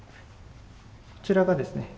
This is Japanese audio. こちらがですね